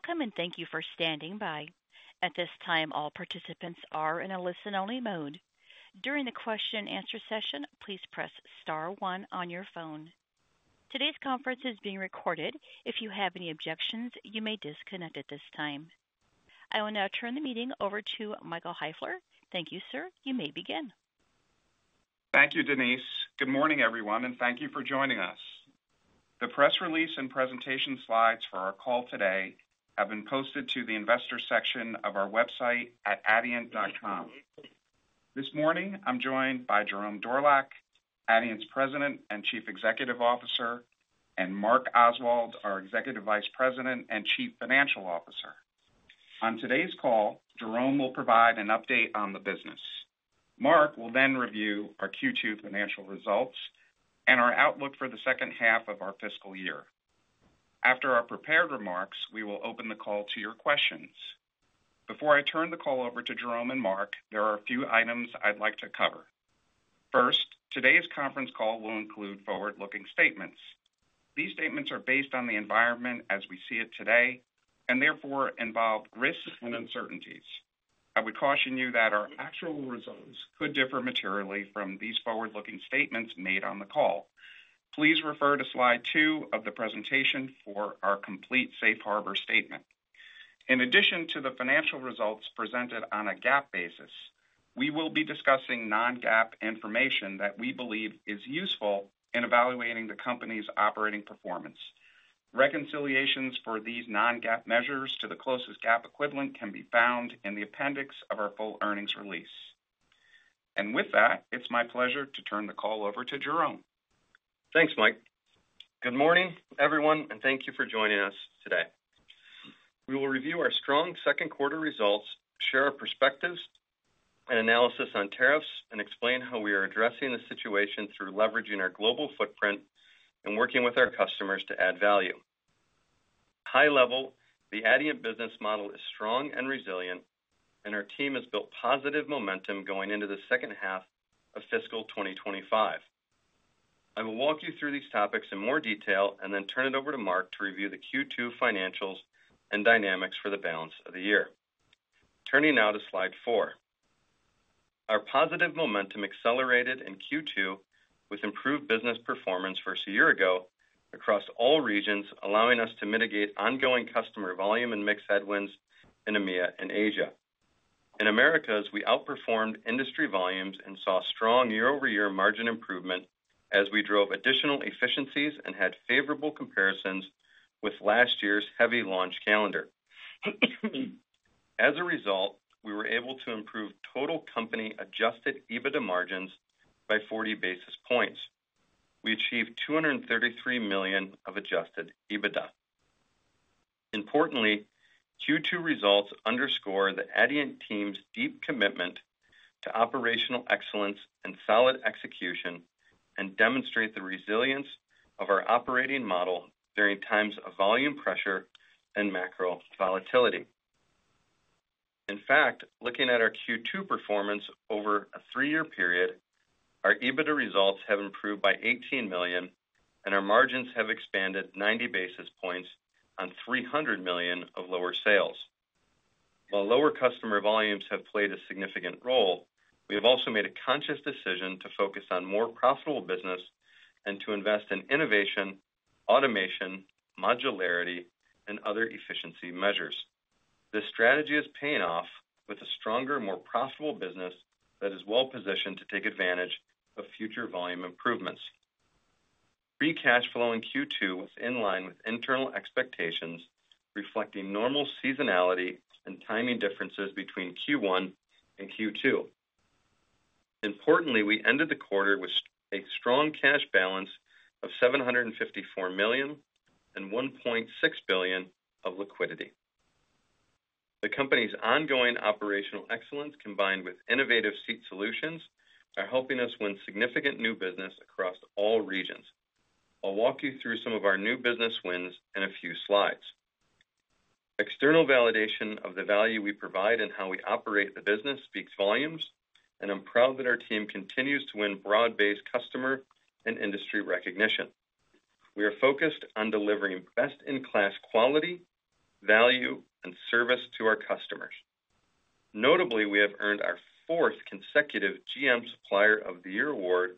Welcome, and thank you for standing by. At this time, all participants are in a listen-only mode. During the question-and-answer session, please press star one on your phone. Today's conference is being recorded. If you have any objections, you may disconnect at this time. I will now turn the meeting over to Michael Heifler. Thank you, sir. You may begin. Thank you, Denise. Good morning, everyone, and thank you for joining us. The press release and presentation slides for our call today have been posted to the investor section of our website at adient.com. This morning, I'm joined by Jerome Dorlack, Adient's President and Chief Executive Officer, and Mark Oswald, our Executive Vice President and Chief Financial Officer. On today's call, Jerome will provide an update on the business. Mark will then review our Q2 financial results and our outlook for the second half of our fiscal year. After our prepared remarks, we will open the call to your questions. Before I turn the call over to Jerome and Mark, there are a few items I'd like to cover. First, today's conference call will include forward-looking statements. These statements are based on the environment as we see it today and therefore involve risks and uncertainties. I would caution you that our actual results could differ materially from these forward-looking statements made on the call. Please refer to slide two of the presentation for our complete safe harbor statement. In addition to the financial results presented on a GAAP basis, we will be discussing non-GAAP information that we believe is useful in evaluating the company's operating performance. Reconciliations for these non-GAAP measures to the closest GAAP equivalent can be found in the appendix of our full earnings release. With that, it's my pleasure to turn the call over to Jerome. Thanks, Mike. Good morning, everyone, and thank you for joining us today. We will review our strong second quarter results, share our perspectives and analysis on tariffs, and explain how we are addressing the situation through leveraging our global footprint and working with our customers to add value. High level, the Adient business model is strong and resilient, and our team has built positive momentum going into the second half of fiscal 2025. I will walk you through these topics in more detail and then turn it over to Mark to review the Q2 financials and dynamics for the balance of the year. Turning now to slide four. Our positive momentum accelerated in Q2 with improved business performance versus a year ago across all regions, allowing us to mitigate ongoing customer volume and mixed headwinds in EMEA and Asia. In Americas, we outperformed industry volumes and saw strong year-over-year margin improvement as we drove additional efficiencies and had favorable comparisons with last year's heavy launch calendar. As a result, we were able to improve total company adjusted EBITDA margins by 40 basis points. We achieved $233 million of adjusted EBITDA. Importantly, Q2 results underscore the Adient team's deep commitment to operational excellence and solid execution and demonstrate the resilience of our operating model during times of volume pressure and macro volatility. In fact, looking at our Q2 performance over a three-year period, our EBITDA results have improved by $18 million, and our margins have expanded 90 basis points on $300 million of lower sales. While lower customer volumes have played a significant role, we have also made a conscious decision to focus on more profitable business and to invest in innovation, automation, modularity, and other efficiency measures. This strategy is paying off with a stronger, more profitable business that is well-positioned to take advantage of future volume improvements. Free cash flow in Q2 was in line with internal expectations, reflecting normal seasonality and timing differences between Q1 and Q2. Importantly, we ended the quarter with a strong cash balance of $754 million and $1.6 billion of liquidity. The company's ongoing operational excellence, combined with innovative seat solutions, are helping us win significant new business across all regions. I'll walk you through some of our new business wins in a few slides. External validation of the value we provide and how we operate the business speaks volumes, and I'm proud that our team continues to win broad-based customer and industry recognition. We are focused on delivering best-in-class quality, value, and service to our customers. Notably, we have earned our fourth consecutive GM Supplier of the Year award,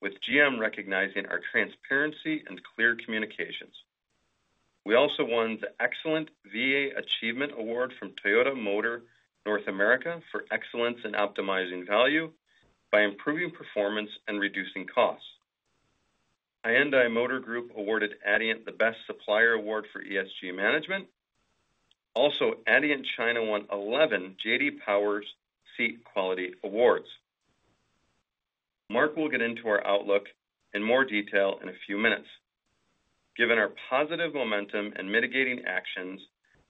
with GM recognizing our transparency and clear communications. We also won the Excellent VA Achievement Award from Toyota Motor North America for excellence in optimizing value by improving performance and reducing costs. Hyundai Motor Group awarded Adient the Best Supplier Award for ESG Management. Also, Adient China won 11 JD Power's Seat Quality Awards. Mark will get into our outlook in more detail in a few minutes. Given our positive momentum and mitigating actions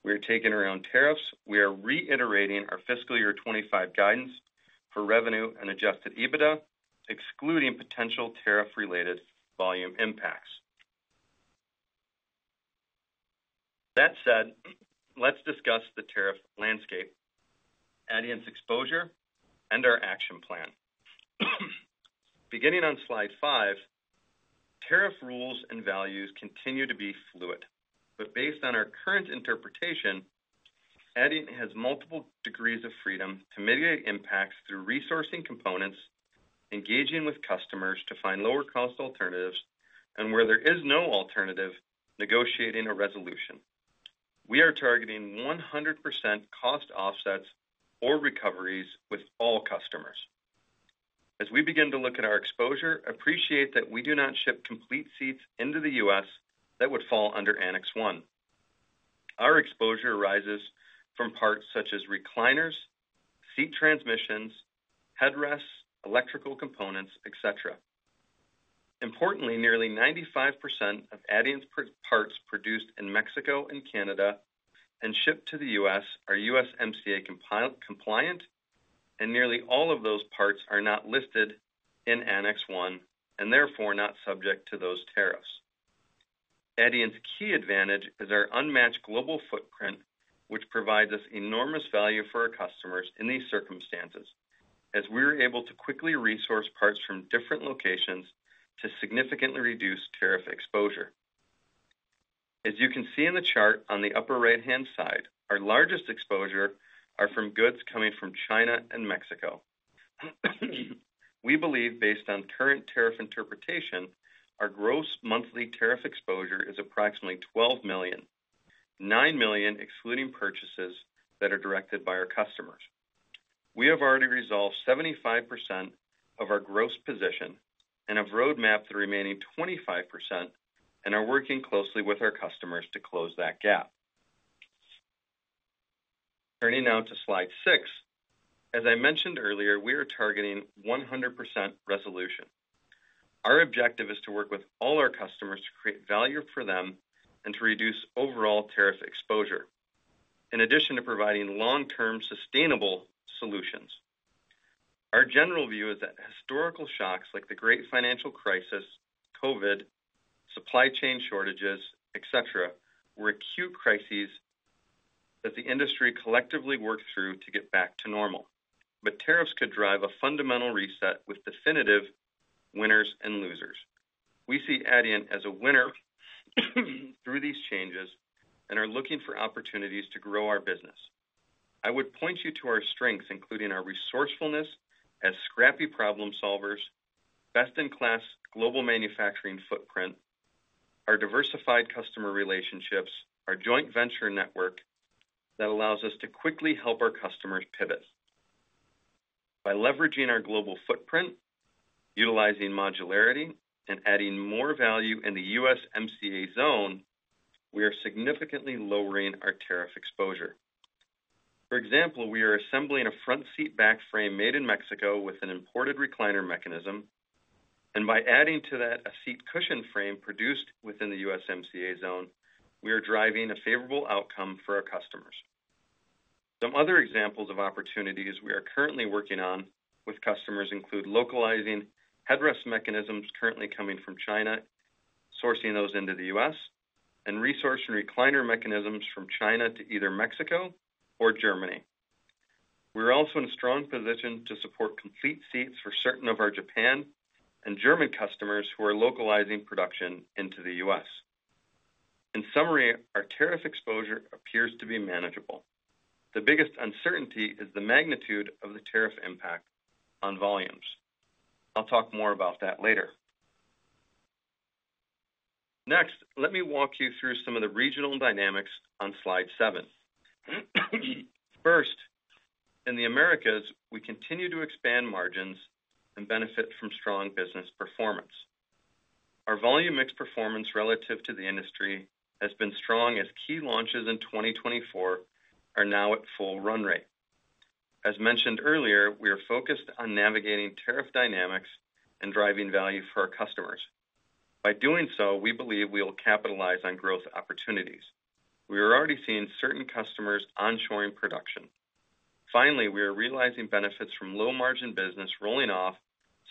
we are taking around tariffs, we are reiterating our fiscal year 2025 guidance for revenue and adjusted EBITDA, excluding potential tariff-related volume impacts. That said, let's discuss the tariff landscape, Adient's exposure, and our action plan. Beginning on slide five, tariff rules and values continue to be fluid, but based on our current interpretation, Adient has multiple degrees of freedom to mitigate impacts through resourcing components, engaging with customers to find lower-cost alternatives, and where there is no alternative, negotiating a resolution. We are targeting 100% cost offsets or recoveries with all customers. As we begin to look at our exposure, appreciate that we do not ship complete seats into the U.S. that would fall under Annex 1. Our exposure arises from parts such as recliners, seat transmissions, headrests, electrical components, etc. Importantly, nearly 95% of Adient's parts produced in Mexico and Canada and shipped to the U.S. are USMCA compliant, and nearly all of those parts are not listed in Annex 1 and therefore not subject to those tariffs. Adient's key advantage is our unmatched global footprint, which provides us enormous value for our customers in these circumstances, as we were able to quickly resource parts from different locations to significantly reduce tariff exposure. As you can see in the chart on the upper right-hand side, our largest exposure is from goods coming from China and Mexico. We believe, based on current tariff interpretation, our gross monthly tariff exposure is approximately $12 million, $9 million excluding purchases that are directed by our customers. We have already resolved 75% of our gross position and have roadmapped the remaining 25% and are working closely with our customers to close that gap. Turning now to slide six, as I mentioned earlier, we are targeting 100% resolution. Our objective is to work with all our customers to create value for them and to reduce overall tariff exposure, in addition to providing long-term sustainable solutions. Our general view is that historical shocks like the Great Financial Crisis, COVID, supply chain shortages, etc., were acute crises that the industry collectively worked through to get back to normal, but tariffs could drive a fundamental reset with definitive winners and losers. We see Adient as a winner through these changes and are looking for opportunities to grow our business. I would point you to our strengths, including our resourcefulness as scrappy problem solvers, best-in-class global manufacturing footprint, our diversified customer relationships, our joint venture network that allows us to quickly help our customers pivot. By leveraging our global footprint, utilizing modularity, and adding more value in the USMCA zone, we are significantly lowering our tariff exposure. For example, we are assembling a front seat back frame made in Mexico with an imported recliner mechanism, and by adding to that a seat cushion frame produced within the USMCA zone, we are driving a favorable outcome for our customers. Some other examples of opportunities we are currently working on with customers include localizing headrest mechanisms currently coming from China, sourcing those into the U.S., and resourcing recliner mechanisms from China to either Mexico or Germany. We are also in a strong position to support complete seats for certain of our Japan and German customers who are localizing production into the U.S. In summary, our tariff exposure appears to be manageable. The biggest uncertainty is the magnitude of the tariff impact on volumes. I'll talk more about that later. Next, let me walk you through some of the regional dynamics on slide seven. First, in the Americas, we continue to expand margins and benefit from strong business performance. Our volume mixed performance relative to the industry has been strong as key launches in 2024 are now at full run rate. As mentioned earlier, we are focused on navigating tariff dynamics and driving value for our customers. By doing so, we believe we will capitalize on growth opportunities. We are already seeing certain customers onshoring production. Finally, we are realizing benefits from low-margin business rolling off,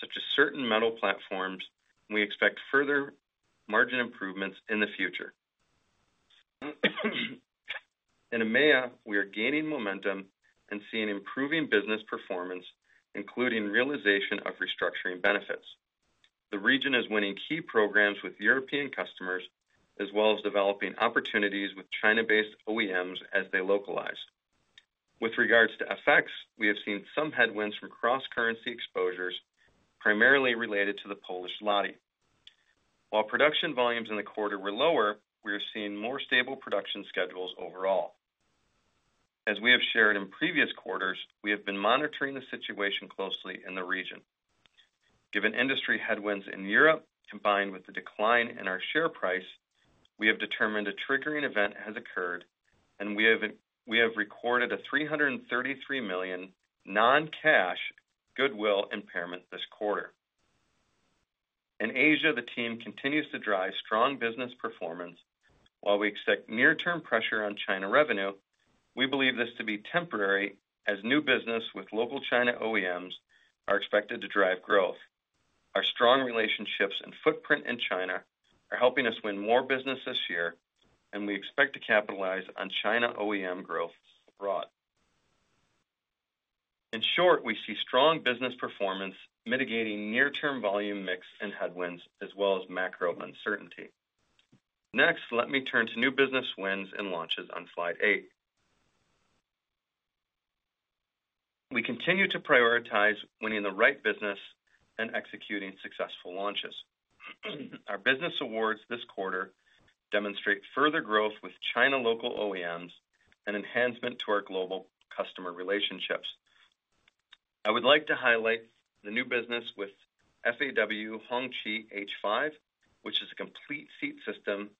such as certain metal platforms, and we expect further margin improvements in the future. In EMEA, we are gaining momentum and seeing improving business performance, including realization of restructuring benefits. The region is winning key programs with European customers, as well as developing opportunities with China-based OEMs as they localize. With regards to FX, we have seen some headwinds from cross-currency exposures, primarily related to the Polish zloty. While production volumes in the quarter were lower, we are seeing more stable production schedules overall. As we have shared in previous quarters, we have been monitoring the situation closely in the region. Given industry headwinds in Europe, combined with the decline in our share price, we have determined a triggering event has occurred, and we have recorded a $333 million non-cash goodwill impairment this quarter. In Asia, the team continues to drive strong business performance. While we expect near-term pressure on China revenue, we believe this to be temporary as new business with local China OEMs are expected to drive growth. Our strong relationships and footprint in China are helping us win more business this year, and we expect to capitalize on China OEM growth abroad. In short, we see strong business performance mitigating near-term volume mix and headwinds, as well as macro uncertainty. Next, let me turn to new business wins and launches on slide eight. We continue to prioritize winning the right business and executing successful launches. Our business awards this quarter demonstrate further growth with China local OEMs and enhancement to our global customer relationships. I would like to highlight the new business with FAW Hongqi H5, which is a complete seat system,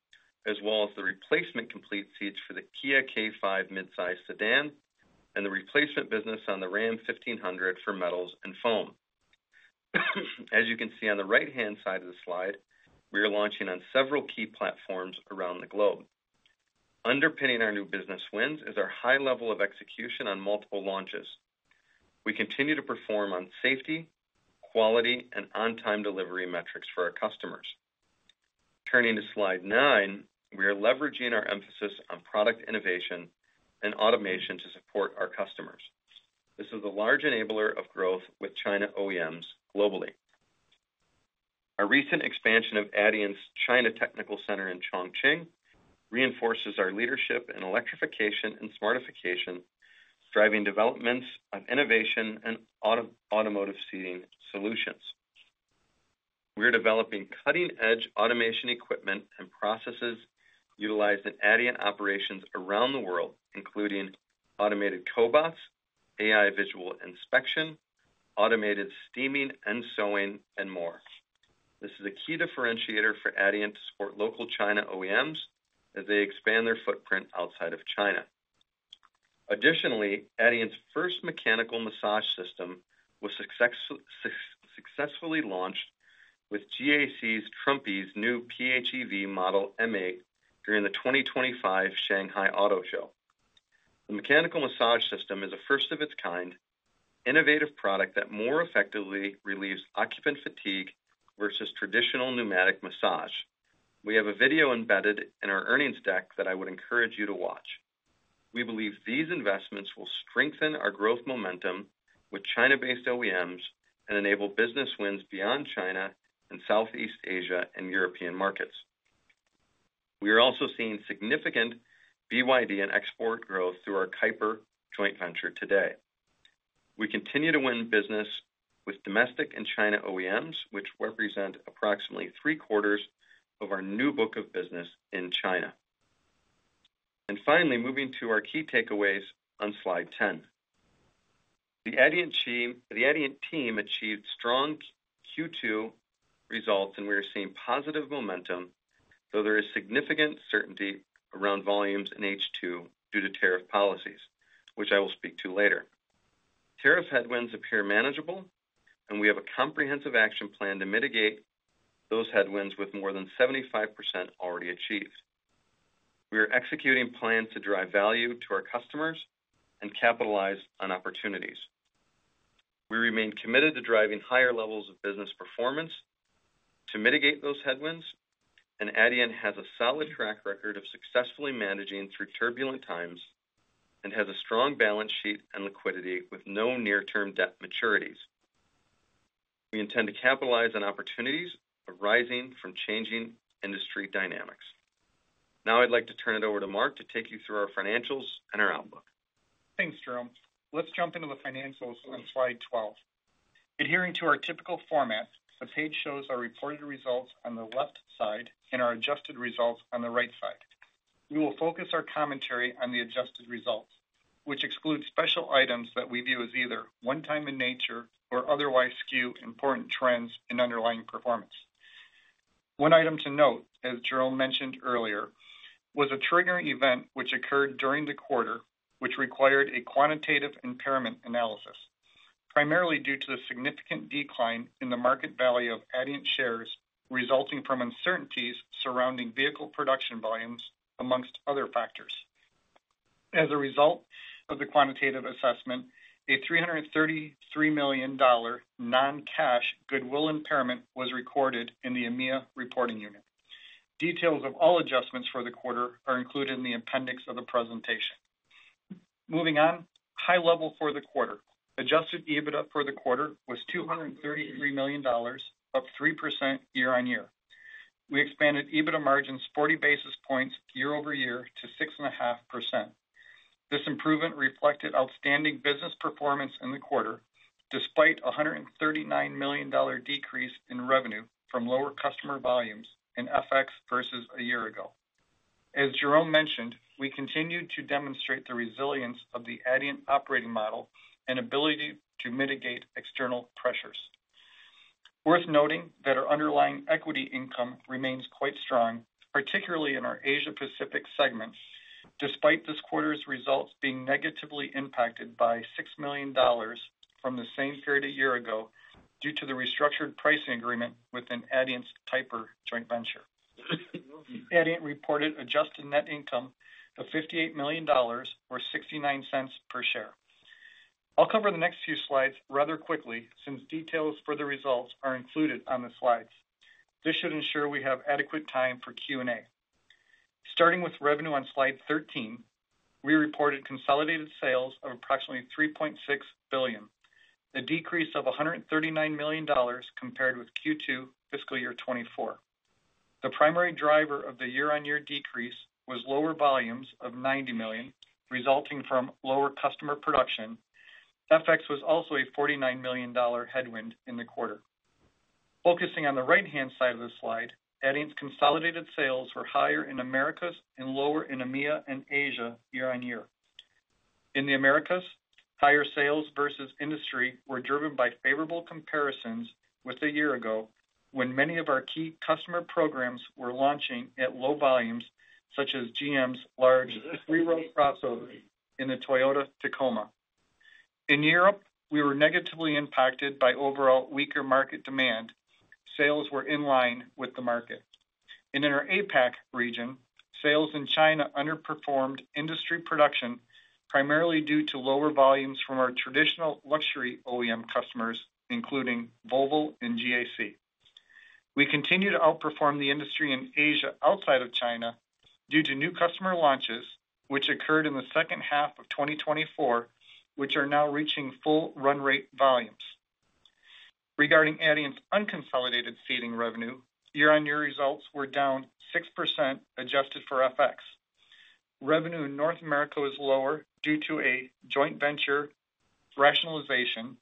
as well as the replacement complete seats for the Kia K5 midsize sedan and the replacement business on the Ram 1500 for metals and foam. As you can see on the right-hand side of the slide, we are launching on several key platforms around the globe. Underpinning our new business wins is our high level of execution on multiple launches. We continue to perform on safety, quality, and on-time delivery metrics for our customers. Turning to slide nine, we are leveraging our emphasis on product innovation and automation to support our customers. This is a large enabler of growth with China OEMs globally. Our recent expansion of Adient's China Technical Center in Chongqing reinforces our leadership in electrification and smartification, driving developments of innovation and automotive seating solutions. We are developing cutting-edge automation equipment and processes utilized in Adient operations around the world, including automated cobots, AI visual inspection, automated steaming and sewing, and more. This is a key differentiator for Adient to support local China OEMs as they expand their footprint outside of China. Additionally, Adient's first mechanical massage system was successfully launched with GAC's Trumpy M8 new PHEV model during the 2025 Shanghai Auto Show. The mechanical massage system is a first-of-its-kind innovative product that more effectively relieves occupant fatigue versus traditional pneumatic massage. We have a video embedded in our earnings deck that I would encourage you to watch. We believe these investments will strengthen our growth momentum with China-based OEMs and enable business wins beyond China and Southeast Asia and European markets. We are also seeing significant BYD and export growth through our Kuiper joint venture today. We continue to win business with domestic and China OEMs, which represent approximately three-quarters of our new book of business in China. Finally, moving to our key takeaways on slide 10. The Adient team achieved strong Q2 results, and we are seeing positive momentum, though there is significant uncertainty around volumes in H2 due to tariff policies, which I will speak to later. Tariff headwinds appear manageable, and we have a comprehensive action plan to mitigate those headwinds with more than 75% already achieved. We are executing plans to drive value to our customers and capitalize on opportunities. We remain committed to driving higher levels of business performance to mitigate those headwinds, and Adient has a solid track record of successfully managing through turbulent times and has a strong balance sheet and liquidity with no near-term debt maturities. We intend to capitalize on opportunities arising from changing industry dynamics. Now I'd like to turn it over to Mark to take you through our financials and our outlook. Thanks, Jerome. Let's jump into the financials on slide 12. Adhering to our typical format, the page shows our reported results on the left side and our adjusted results on the right side. We will focus our commentary on the adjusted results, which excludes special items that we view as either one-time in nature or otherwise skew important trends in underlying performance. One item to note, as Jerome mentioned earlier, was a triggering event which occurred during the quarter, which required a quantitative impairment analysis, primarily due to the significant decline in the market value of Adient shares resulting from uncertainties surrounding vehicle production volumes, amongst other factors. As a result of the quantitative assessment, a $333 million non-cash goodwill impairment was recorded in the EMEA reporting unit. Details of all adjustments for the quarter are included in the appendix of the presentation. Moving on, high level for the quarter. Adjusted EBITDA for the quarter was $233 million, up 3% year-on-year. We expanded EBITDA margins 40 basis points year-over-year to 6.5%. This improvement reflected outstanding business performance in the quarter, despite a $139 million decrease in revenue from lower customer volumes in FX versus a year ago. As Jerome mentioned, we continue to demonstrate the resilience of the Adient operating model and ability to mitigate external pressures. Worth noting that our underlying equity income remains quite strong, particularly in our Asia-Pacific segment, despite this quarter's results being negatively impacted by $6 million from the same period a year ago due to the restructured pricing agreement within Adient's Kuiper joint venture. Adient reported adjusted net income of $58 million or $0.69 per share. I'll cover the next few slides rather quickly since details for the results are included on the slides. This should ensure we have adequate time for Q&A. Starting with revenue on slide 13, we reported consolidated sales of approximately $3.6 billion, a decrease of $139 million compared with Q2 fiscal year 2024. The primary driver of the year-on-year decrease was lower volumes of $90 million, resulting from lower customer production. FX was also a $49 million headwind in the quarter. Focusing on the right-hand side of the slide, Adient's consolidated sales were higher in Americas and lower in EMEA and Asia year on year. In the Americas, higher sales versus industry were driven by favorable comparisons with a year ago, when many of our key customer programs were launching at low volumes, such as GM's large three-row crossover and the Toyota Tacoma. In Europe, we were negatively impacted by overall weaker market demand. Sales were in line with the market. In our APAC region, sales in China underperformed industry production, primarily due to lower volumes from our traditional luxury OEM customers, including Volvo and GAC. We continued to outperform the industry in Asia outside of China due to new customer launches, which occurred in the second half of 2024, which are now reaching full run rate volumes. Regarding Adient's unconsolidated seating revenue, year-on-year results were down 6% adjusted for FX. Revenue in North America was lower due to a joint venture rationalization,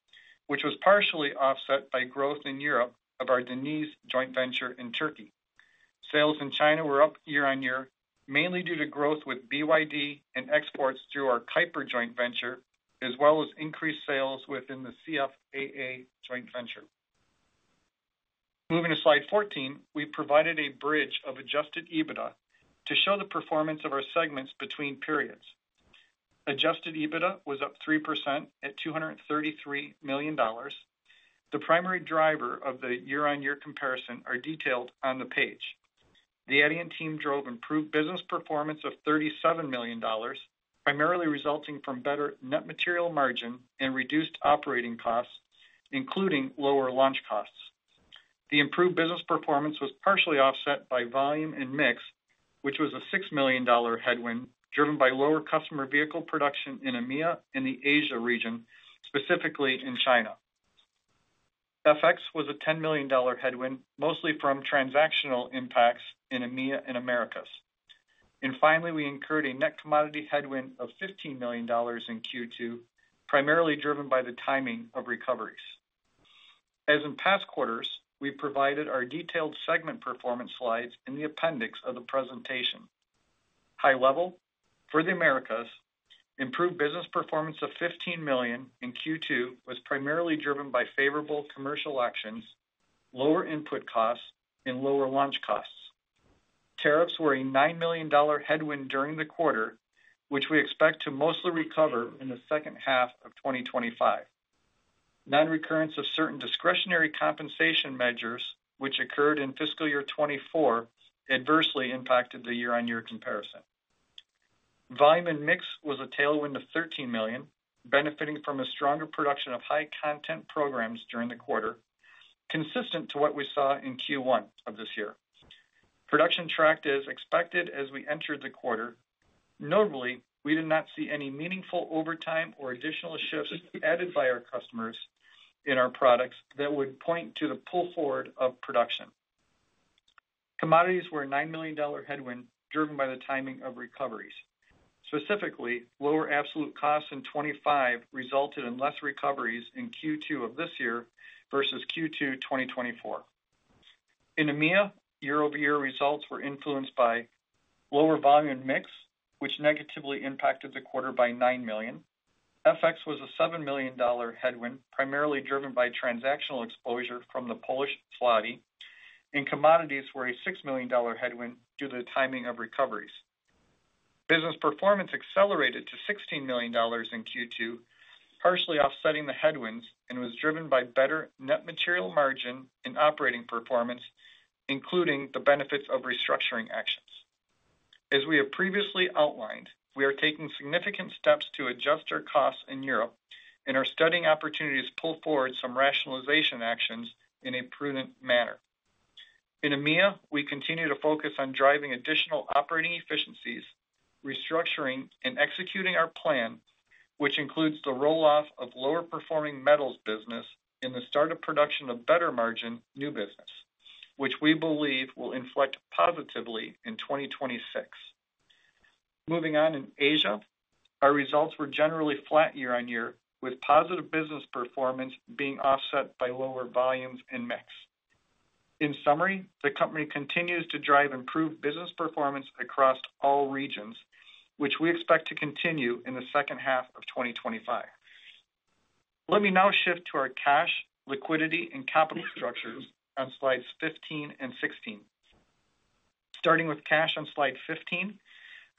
which was partially offset by growth in Europe of our Deniz joint venture in Turkey. Sales in China were up year- -on-year, mainly due to growth with BYD and exports through our Kuiper joint venture, as well as increased sales within the CFAA joint venture. Moving to slide 14, we provided a bridge of adjusted EBITDA to show the performance of our segments between periods. Adjusted EBITDA was up 3% at $233 million. The primary driver of the year-on-year comparison is detailed on the page. The Adient team drove improved business performance of $37 million, primarily resulting from better net material margin and reduced operating costs, including lower launch costs. The improved business performance was partially offset by volume and mix, which was a $6 million headwind driven by lower customer vehicle production in EMEA and the Asia region, specifically in China. FX was a $10 million headwind, mostly from transactional impacts in EMEA and Americas. Finally, we incurred a net commodity headwind of $15 million in Q2, primarily driven by the timing of recoveries. As in past quarters, we provided our detailed segment performance slides in the appendix of the presentation. High level for the Americas, improved business performance of $15 million in Q2 was primarily driven by favorable commercial actions, lower input costs, and lower launch costs. Tariffs were a $9 million headwind during the quarter, which we expect to mostly recover in the second half of 2025. Non-recurrence of certain discretionary compensation measures, which occurred in fiscal year 2024, adversely impacted the year-on-year comparison. Volume and mix was a tailwind of $13 million, benefiting from a stronger production of high-content programs during the quarter, consistent to what we saw in Q1 of this year. Production tracked as expected as we entered the quarter. Notably, we did not see any meaningful overtime or additional shifts added by our customers in our products that would point to the pull forward of production. Commodities were a $9 million headwind driven by the timing of recoveries. Specifically, lower absolute costs in 2025 resulted in less recoveries in Q2 of this year versus Q2 2024. In EMEA, year-over-year results were influenced by lower volume and mix, which negatively impacted the quarter by $9 million. FX was a $7 million headwind, primarily driven by transactional exposure from the Polish zloty, and commodities were a $6 million headwind due to the timing of recoveries. Business performance accelerated to $16 million in Q2, partially offsetting the headwinds and was driven by better net material margin and operating performance, including the benefits of restructuring actions. As we have previously outlined, we are taking significant steps to adjust our costs in Europe and are studying opportunities to pull forward some rationalization actions in a prudent manner. In EMEA, we continue to focus on driving additional operating efficiencies, restructuring, and executing our plan, which includes the roll-off of lower-performing metals business and the start of production of better margin new business, which we believe will inflect positively in 2026. Moving on in Asia, our results were generally flat year-on-year, with positive business performance being offset by lower volumes and mix. In summary, the company continues to drive improved business performance across all regions, which we expect to continue in the second half of 2025. Let me now shift to our cash, liquidity, and capital structures on slides 15 and 16. Starting with cash on slide 15,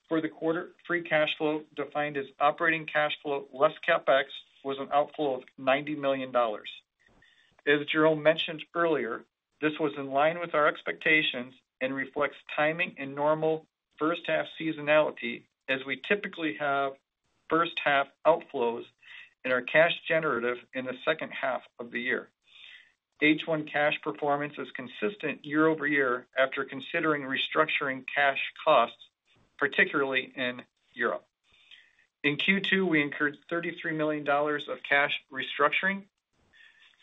for the quarter, free cash flow defined as operating cash flow less CapEx was an outflow of $90 million. As Jerome mentioned earlier, this was in line with our expectations and reflects timing and normal first-half seasonality, as we typically have first-half outflows and are cash generative in the second half of the year. H1 cash performance is consistent year-over-year after considering restructuring cash costs, particularly in Europe. In Q2, we incurred $33 million of cash restructuring.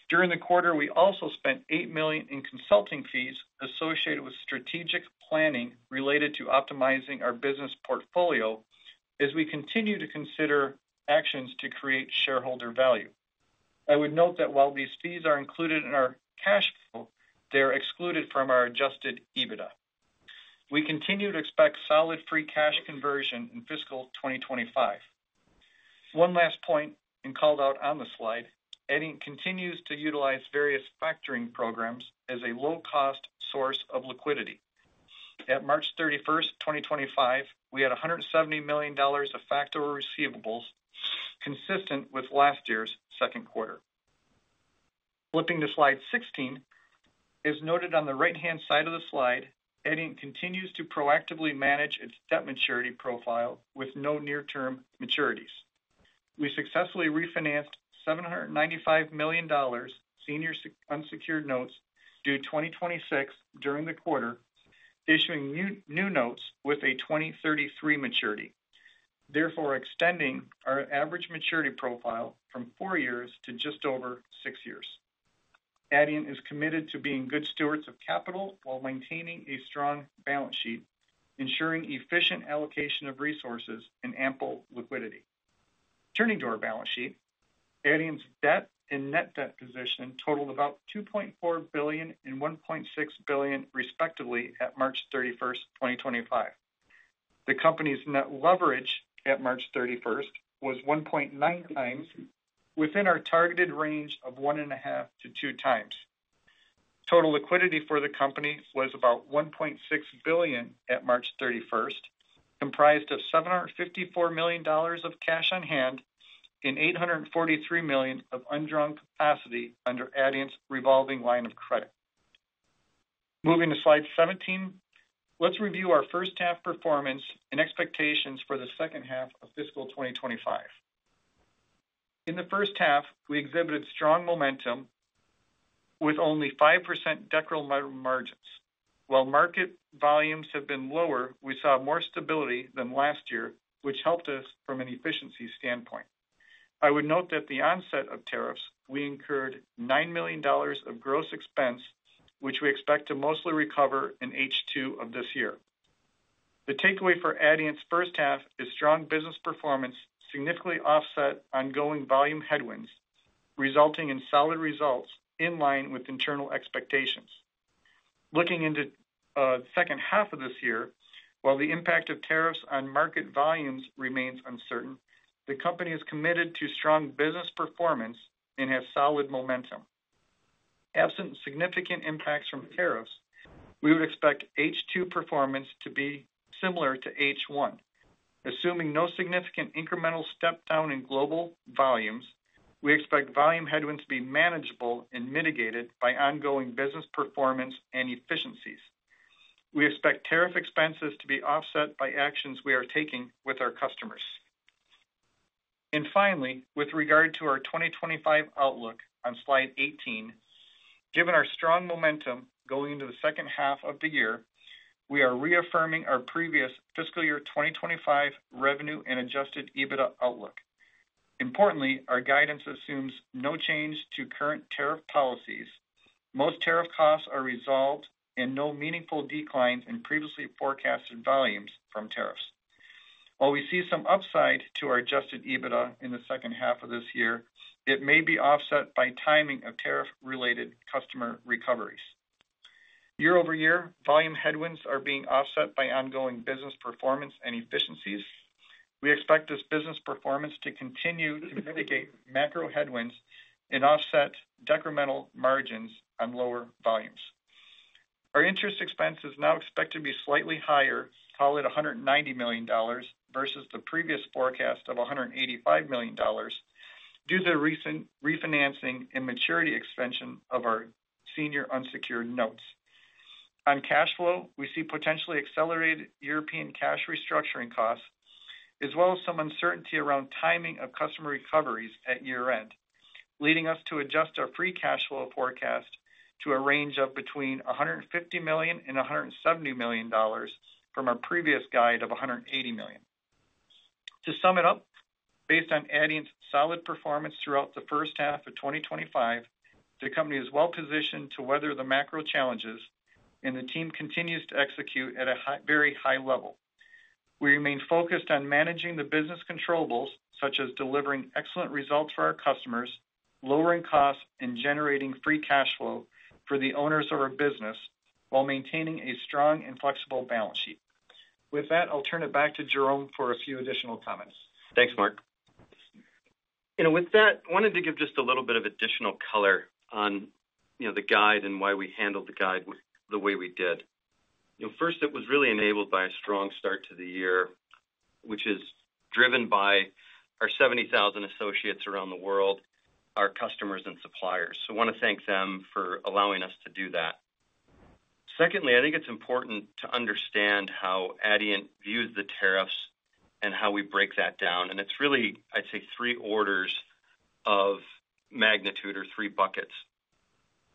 During the quarter, we also spent $8 million in consulting fees associated with strategic planning related to optimizing our business portfolio as we continue to consider actions to create shareholder value. I would note that while these fees are included in our cash flow, they are excluded from our adjusted EBITDA. We continue to expect solid free cash conversion in fiscal 2025. One last point and called out on the slide, Adient continues to utilize various factoring programs as a low-cost source of liquidity. At March 31, 2025, we had $170 million of factored receivables consistent with last year's second quarter. Flipping to slide 16, as noted on the right-hand side of the slide, Adient continues to proactively manage its debt maturity profile with no near-term maturities. We successfully refinanced $795 million senior unsecured notes due 2026 during the quarter, issuing new notes with a 2033 maturity, therefore extending our average maturity profile from four years to just over six years. Adient is committed to being good stewards of capital while maintaining a strong balance sheet, ensuring efficient allocation of resources and ample liquidity. Turning to our balance sheet, Adient's debt and net debt position totaled about $2.4 billion and $1.6 billion, respectively, at March 31, 2025. The company's net leverage at March 31 was 1.9x within our targeted range of one and a half to two times. Total liquidity for the company was about $1.6 billion at March 31, comprised of $754 million of cash on hand and $843 million of undrawn capacity under Adient's revolving line of credit. Moving to slide 17, let's review our first-half performance and expectations for the second half of fiscal 2025. In the first half, we exhibited strong momentum with only 5% decorative margins. While market volumes have been lower, we saw more stability than last year, which helped us from an efficiency standpoint. I would note that at the onset of tariffs, we incurred $9 million of gross expense, which we expect to mostly recover in H2 of this year. The takeaway for Adient's first half is strong business performance significantly offset ongoing volume headwinds, resulting in solid results in line with internal expectations. Looking into the second half of this year, while the impact of tariffs on market volumes remains uncertain, the company is committed to strong business performance and has solid momentum. Absent significant impacts from tariffs, we would expect H2 performance to be similar to H1. Assuming no significant incremental step down in global volumes, we expect volume headwinds to be manageable and mitigated by ongoing business performance and efficiencies. We expect tariff expenses to be offset by actions we are taking with our customers. Finally, with regard to our 2025 outlook on slide 18, given our strong momentum going into the second half of the year, we are reaffirming our previous fiscal year 2025 revenue and adjusted EBITDA outlook. Importantly, our guidance assumes no change to current tariff policies. Most tariff costs are resolved and no meaningful declines in previously forecasted volumes from tariffs. While we see some upside to our adjusted EBITDA in the second half of this year, it may be offset by timing of tariff-related customer recoveries. Year-over-year, volume headwinds are being offset by ongoing business performance and efficiencies. We expect this business performance to continue to mitigate macro headwinds and offset decremental margins on lower volumes. Our interest expense is now expected to be slightly higher, call it $190 million versus the previous forecast of $185 million due to the recent refinancing and maturity extension of our senior unsecured notes. On cash flow, we see potentially accelerated European cash restructuring costs, as well as some uncertainty around timing of customer recoveries at year-end, leading us to adjust our free cash flow forecast to a range of between $150 million and $170 million from our previous guide of $180 million. To sum it up, based on Adient's solid performance throughout the first half of 2025, the company is well-positioned to weather the macro challenges, and the team continues to execute at a very high level. We remain focused on managing the business controls, such as delivering excellent results for our customers, lowering costs, and generating free cash flow for the owners of our business while maintaining a strong and flexible balance sheet. With that, I'll turn it back to Jerome for a few additional comments. Thanks, Mark. You know, with that, I wanted to give just a little bit of additional color on the guide and why we handled the guide the way we did. First, it was really enabled by a strong start to the year, which is driven by our 70,000 associates around the world, our customers, and suppliers. I want to thank them for allowing us to do that. Secondly, I think it's important to understand how Adient views the tariffs and how we break that down. It's really, I'd say, three orders of magnitude or three buckets.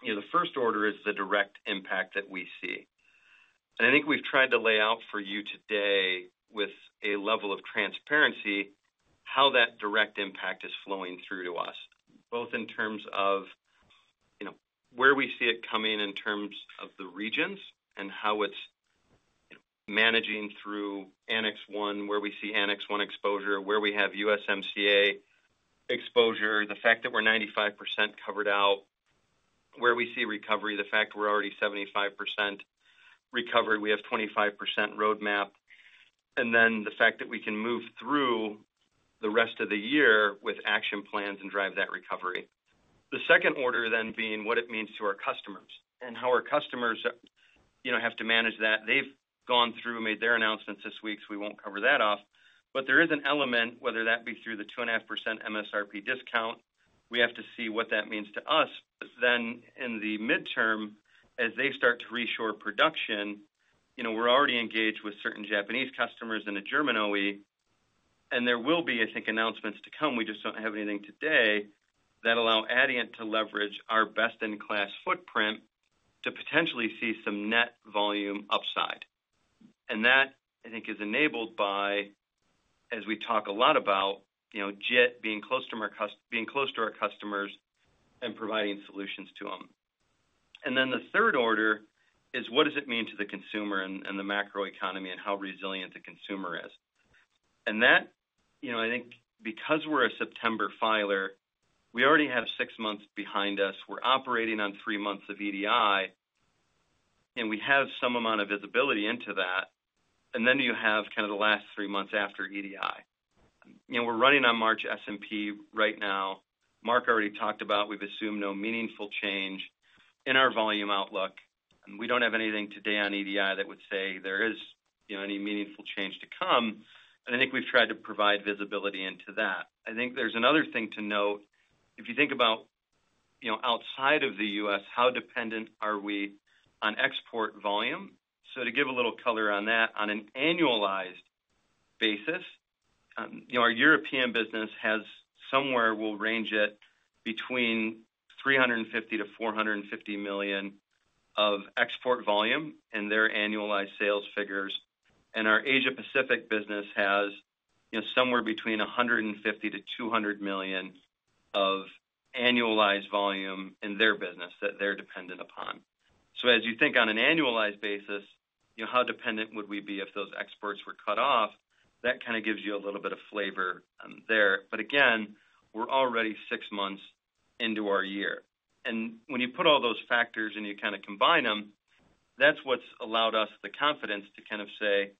The first order is the direct impact that we see. I think we've tried to lay out for you today with a level of transparency how that direct impact is flowing through to us, both in terms of where we see it coming in terms of the regions and how it's managing through Annex 1, where we see Annex 1 exposure, where we have USMCA exposure, the fact that we're 95% covered out, where we see recovery, the fact we're already 75% recovered, we have 25% roadmap, and then the fact that we can move through the rest of the year with action plans and drive that recovery. The second order then being what it means to our customers and how our customers have to manage that. They've gone through, made their announcements this week, so we won't cover that off. There is an element, whether that be through the 2.5% MSRP discount, we have to see what that means to us. In the midterm, as they start to reshore production, we're already engaged with certain Japanese customers and a German OE, and there will be, I think, announcements to come. We just do not have anything today that allows Adient to leverage our best-in-class footprint to potentially see some net volume upside. That, I think, is enabled by, as we talk a lot about, JIT being close to our customers and providing solutions to them. The third order is, what does it mean to the consumer and the macro economy and how resilient the consumer is? That, I think, because we're a September filer, we already have six months behind us. We're operating on three months of EDI, and we have some amount of visibility into that. Then you have kind of the last three months after EDI. We're running on March S&P right now. Mark already talked about we've assumed no meaningful change in our volume outlook, and we don't have anything today on EDI that would say there is any meaningful change to come. I think we've tried to provide visibility into that. I think there's another thing to note. If you think about outside of the U.S., how dependent are we on export volume? To give a little color on that, on an annualized basis, our European business has somewhere we'll range it between $350 million-$450 million of export volume in their annualized sales figures. Our Asia-Pacific business has somewhere between $150 million-$200 million of annualized volume in their business that they're dependent upon. As you think on an annualized basis, how dependent would we be if those exports were cut off? That kind of gives you a little bit of flavor there. Again, we're already six months into our year. When you put all those factors and you kind of combine them, that's what's allowed us the confidence to kind of say,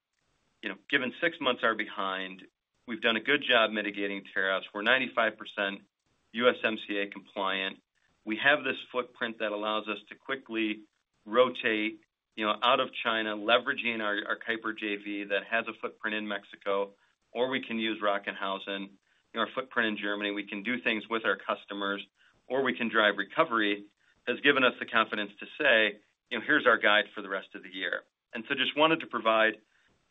given six months are behind, we've done a good job mitigating tariffs. We're 95% USMCA compliant. We have this footprint that allows us to quickly rotate out of China, leveraging our Kuiper JV that has a footprint in Mexico, or we can use Rockenhausen, our footprint in Germany. We can do things with our customers, or we can drive recovery, has given us the confidence to say, here's our guide for the rest of the year. I just wanted to provide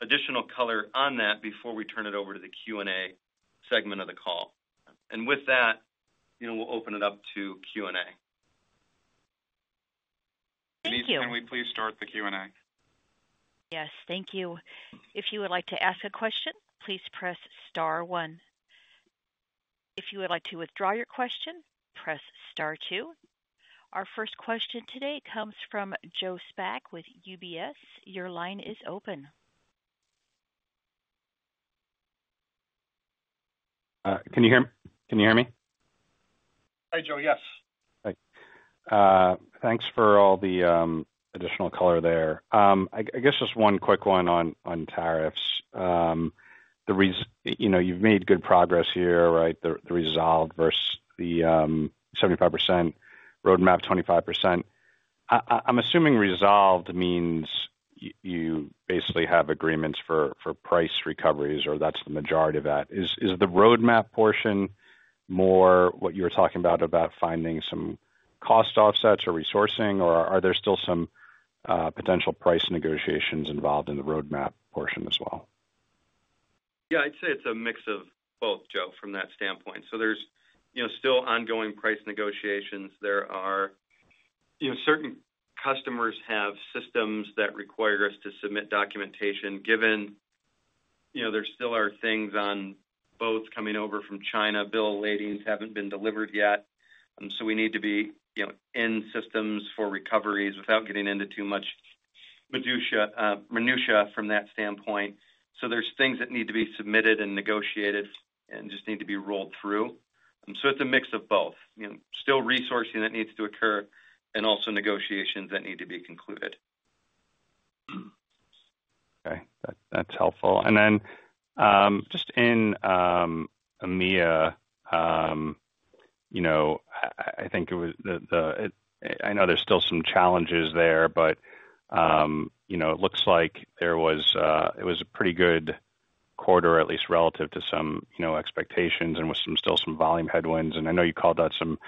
additional color on that before we turn it over to the Q&A segment of the call. With that, we'll open it up to Q&A. Lizz Thank you. Can we please start the Q&A? Yes, thank you. If you would like to ask a question, please press star one. If you would like to withdraw your question, press star two. Our first question today comes from Joe Spak with UBS. Your line is open. Can you hear me? Can you hear me? Hi, Joe. Yes. Thanks for all the additional color there. I guess just one quick one on tariffs. You've made good progress here, right? The resolved versus the 75% roadmap, 25%. I'm assuming resolved means you basically have agreements for price recoveries, or that's the majority of that. Is the roadmap portion more what you were talking about, about finding some cost offsets or resourcing, or are there still some potential price negotiations involved in the roadmap portion as well? Yeah, I'd say it's a mix of both, Joe, from that standpoint. There are still ongoing price negotiations. There are certain customers who have systems that require us to submit documentation. Given there still are things on boats coming over from China, bill of ladings haven't been delivered yet. We need to be in systems for recoveries without getting into too much minutiae from that standpoint. There are things that need to be submitted and negotiated and just need to be rolled through. It's a mix of both. Still resourcing that needs to occur and also negotiations that need to be concluded. Okay. That's helpful. In EMEA, I think it was the I know there's still some challenges there, but it looks like it was a pretty good quarter, at least relative to some expectations and with still some volume headwinds. I know you called out some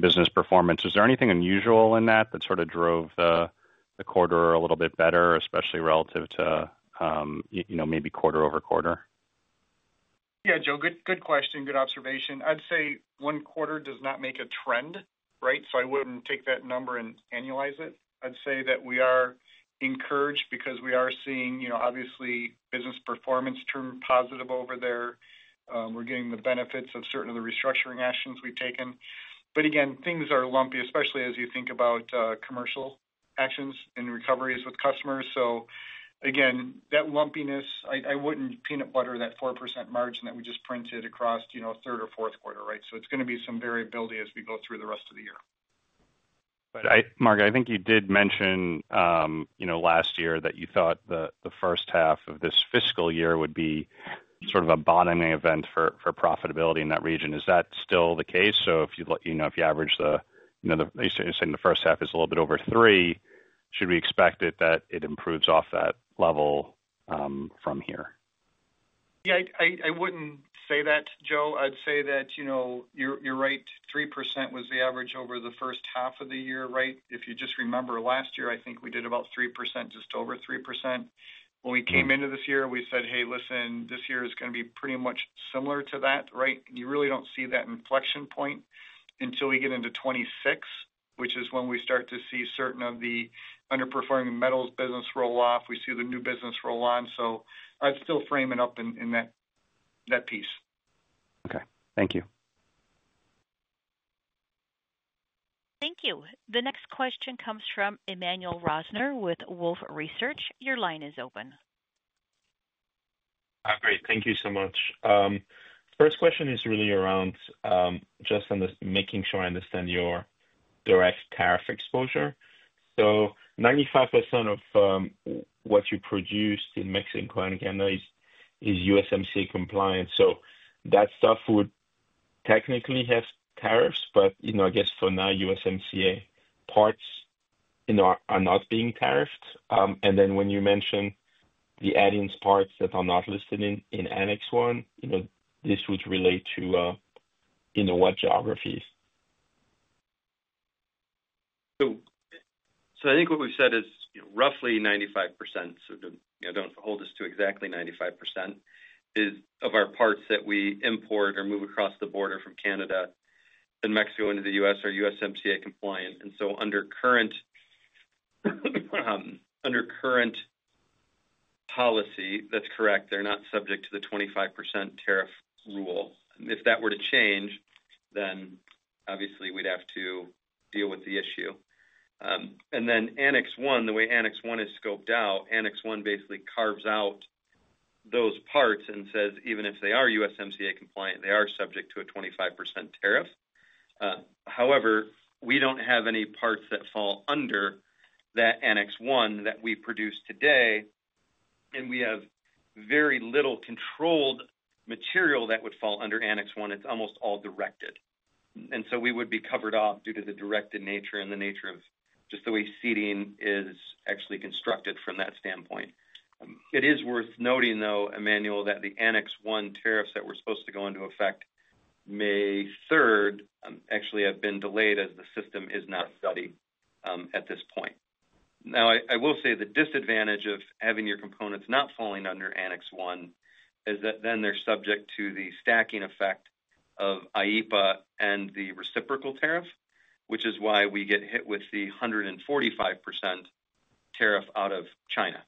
business performance. Is there anything unusual in that that sort of drove the quarter a little bit better, especially relative to maybe quarter-over-quarter? Yeah, Joe. Good question. Good observation. I'd say one quarter does not make a trend, right? I wouldn't take that number and annualize it. I'd say that we are encouraged because we are seeing, obviously, business performance turn positive over there. We're getting the benefits of certain of the restructuring actions we've taken. Again, things are lumpy, especially as you think about commercial actions and recoveries with customers. That lumpiness, I would not peanut butter that 4% margin that we just printed across third or fourth quarter, right? It is going to be some variability as we go through the rest of the year. Mark, I think you did mention last year that you thought the first half of this fiscal year would be sort of a bottoming event for profitability in that region. Is that still the case? If you average, you are saying the first half is a little bit over three, should we expect that it improves off that level from here? Yeah, I would not say that, Joe. I would say that you are right. 3% was the average over the first half of the year, right? If you just remember last year, I think we did about 3%, just over 3%. When we came into this year, we said, "Hey, listen, this year is going to be pretty much similar to that," right? You really do not see that inflection point until we get into 2026, which is when we start to see certain of the underperforming metals business roll off. We see the new business roll on. I would still frame it up in that piece. Okay. Thank you. Thank you. The next question comes from Emmanuel Rosner with Wolfe Research. Your line is open. Great. Thank you so much. First question is really around just making sure I understand your direct tariff exposure. So 95% of what you produce in mixed and cryogenic analyze is USMCA compliant. That stuff would technically have tariffs, but I guess for now, USMCA parts are not being tariffed. When you mentioned Adient's parts that are not listed in Annex 1, this would relate to what geographies? I think what we've said is roughly 95%. Do not hold us to exactly 95% of our parts that we import or move across the border from Canada and Mexico into the U.S. are USMCA compliant. Under current policy, that is correct. They are not subject to the 25% tariff rule. If that were to change, obviously we would have to deal with the issue. Annex 1, the way Annex 1 is scoped out, Annex 1 basically carves out those parts and says, "Even if they are USMCA compliant, they are subject to a 25% tariff." However, we do not have any parts that fall under that Annex 1 that we produce today, and we have very little controlled material that would fall under Annex 1. It's almost all directed. We would be covered off due to the directed nature and the nature of just the way seating is actually constructed from that standpoint. It is worth noting, though, Emmanuel, that the Annex 1 tariffs that were supposed to go into effect May 3 have actually been delayed as the system is not ready at this point. I will say the disadvantage of having your components not falling under Annex 1 is that then they're subject to the stacking effect of IEEPA and the reciprocal tariff, which is why we get hit with the 145% tariff out of China.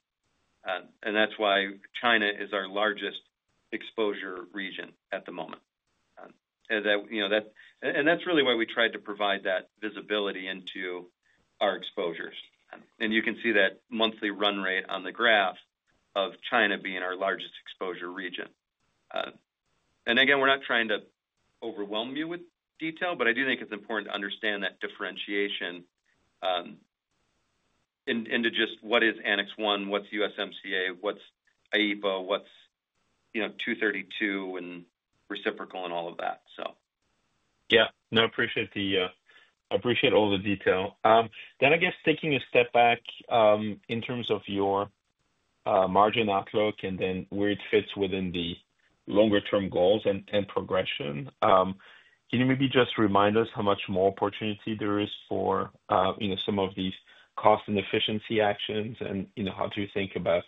That is why China is our largest exposure region at the moment. That is really why we tried to provide that visibility into our exposures. You can see that monthly run rate on the graph of China being our largest exposure region. Again, we're not trying to overwhelm you with detail, but I do think it's important to understand that differentiation into just what is Annex 1, what's USMCA, what's IEEPA, what's 232 and reciprocal and all of that. Yeah. No, I appreciate all the detail. I guess taking a step back in terms of your margin outlook and then where it fits within the longer-term goals and progression, can you maybe just remind us how much more opportunity there is for some of these cost and efficiency actions and how do you think about,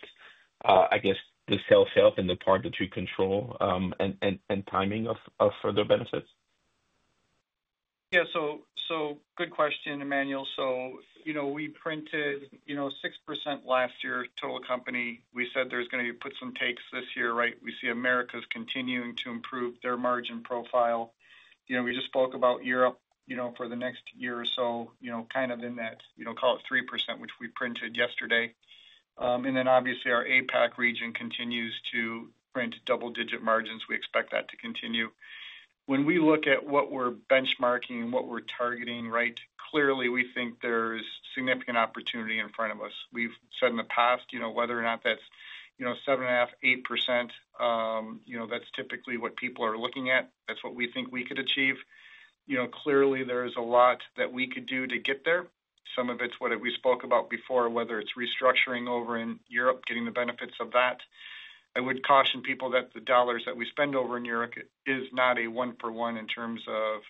I guess, the self-help and the part that you control and timing of further benefits? Yeah. Good question, Emmanuel. We printed 6% last year, total company. We said there's going to be puts and takes this year, right? We see Americas continuing to improve their margin profile. We just spoke about Europe for the next year or so, kind of in that, call it 3%, which we printed yesterday. Then obviously our APAC region continues to print double-digit margins. We expect that to continue. When we look at what we're benchmarking and what we're targeting, right, clearly we think there's significant opportunity in front of us. We've said in the past, whether or not that's 7.5%-8%, that's typically what people are looking at. That's what we think we could achieve. Clearly, there is a lot that we could do to get there. Some of it's what we spoke about before, whether it's restructuring over in Europe, getting the benefits of that. I would caution people that the dollars that we spend over in Europe is not a one-for-one in terms of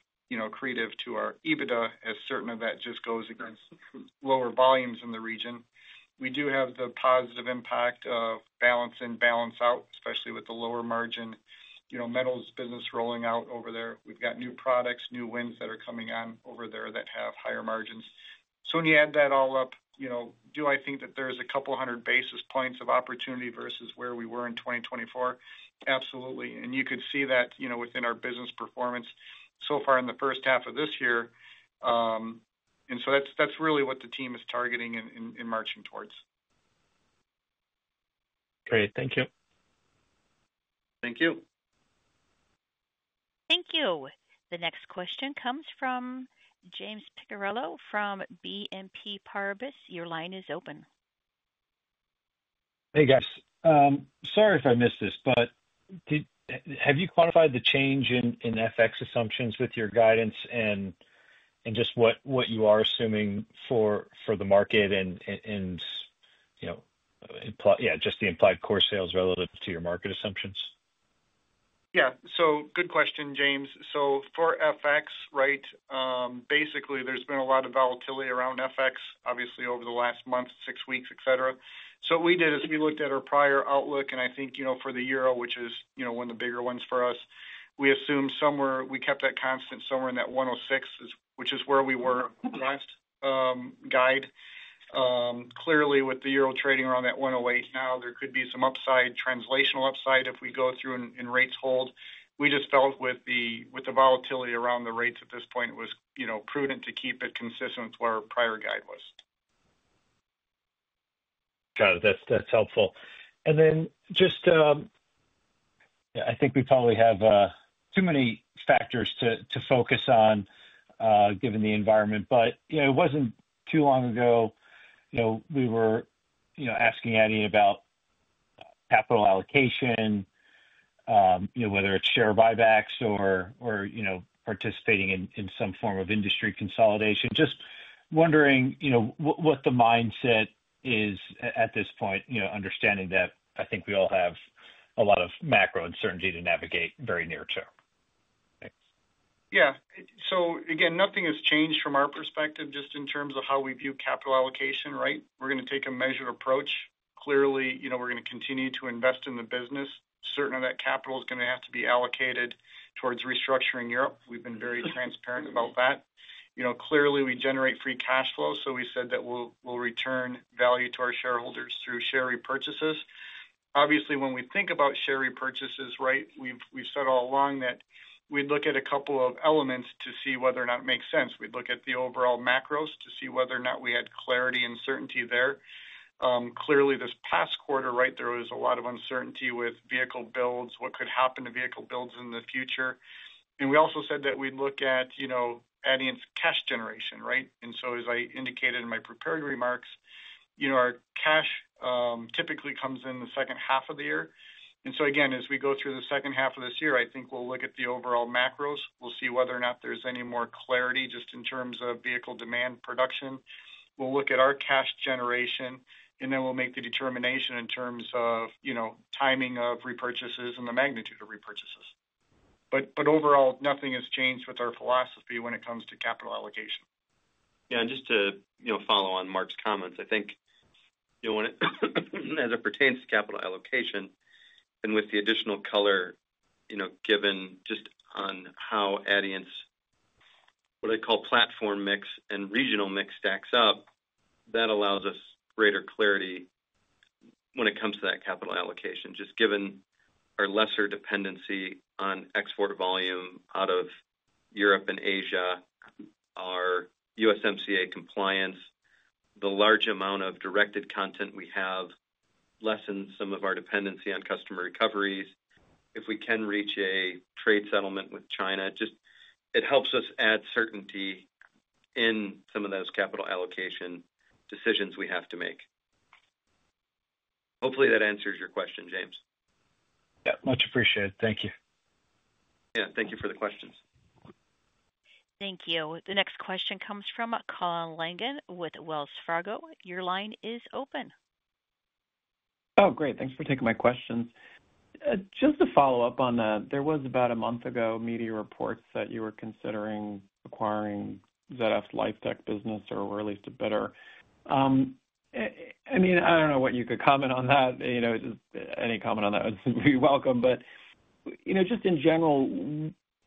creative to our EBITDA, as certain of that just goes against lower volumes in the region. We do have the positive impact of balance in, balance out, especially with the lower margin, metals business rolling out over there. We have got new products, new wins that are coming on over there that have higher margins. When you add that all up, do I think that there is a couple hundred basis points of opportunity versus where we were in 2024? Absolutely. You could see that within our business performance so far in the first half of this year. That is really what the team is targeting and marching towards. Great. Thank you. Thank you. Thank you. The next question comes from James Picariello from BNP Paribas. Your line is open. Hey, guys. Sorry if I missed this, but have you quantified the change in FX assumptions with your guidance and just what you are assuming for the market and, yeah, just the implied core sales relative to your market assumptions? Yeah. Good question, James. For FX, right, basically there has been a lot of volatility around FX, obviously over the last month, six weeks, etc. What we did is we looked at our prior outlook, and I think for the euro, which is one of the bigger ones for us, we assumed somewhere we kept that constant somewhere in that 1.06, which is where we were last guide. Clearly, with the euro trading around that 1.08 now, there could be some upside, translational upside if we go through and rates hold. We just felt with the volatility around the rates at this point, it was prudent to keep it consistent with where our prior guide was. Got it. That's helpful. I think we probably have too many factors to focus on given the environment, but it wasn't too long ago we were asking Adient about capital allocation, whether it's share buybacks or participating in some form of industry consolidation. Just wondering what the mindset is at this point, understanding that I think we all have a lot of macro uncertainty to navigate very near term. Yeah. Again, nothing has changed from our perspective just in terms of how we view capital allocation, right? We're going to take a measured approach. Clearly, we're going to continue to invest in the business. Certain of that capital is going to have to be allocated towards restructuring Europe. We've been very transparent about that. Clearly, we generate free cash flow. So we said that we'll return value to our shareholders through share repurchases. Obviously, when we think about share repurchases, right, we've said all along that we'd look at a couple of elements to see whether or not it makes sense. We'd look at the overall macros to see whether or not we had clarity and certainty there. Clearly, this past quarter, right, there was a lot of uncertainty with vehicle builds, what could happen to vehicle builds in the future. We also said that we'd look at Adient's cash generation, right? As I indicated in my prepared remarks, our cash typically comes in the second half of the year. Again, as we go through the second half of this year, I think we'll look at the overall macros. We'll see whether or not there's any more clarity just in terms of vehicle demand production. We'll look at our cash generation, and then we'll make the determination in terms of timing of repurchases and the magnitude of repurchases. Overall, nothing has changed with our philosophy when it comes to capital allocation. Yeah. Just to follow on Mark's comments, I think as it pertains to capital allocation and with the additional color given just on how Adient's, what I call platform mix and regional mix, stacks up, that allows us greater clarity when it comes to that capital allocation, just given our lesser dependency on export volume out of Europe and Asia, our USMCA compliance, the large amount of directed content we have, lessen some of our dependency on customer recoveries. If we can reach a trade settlement with China, just it helps us add certainty in some of those capital allocation decisions we have to make. Hopefully, that answers your question, James. Yeah. Much appreciated. Thank you. Yeah. Thank you for the questions. Thank you. The next question comes from Colin Langan with Wells Fargo. Your line is open. Oh, great. Thanks for taking my questions. Just to follow up on that, there was about a month ago media reports that you were considering acquiring ZF LifeTech business or at least a bidder. I mean, I do not know what you could comment on that. Any comment on that would be welcome. Just in general,